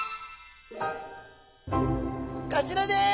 こちらです！